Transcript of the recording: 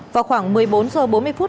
vào khoảng một mươi bốn h bốn mươi phút